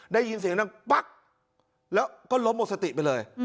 ได้ยินเสียงดังปั๊กแล้วก็ล้มหมดสติไปเลย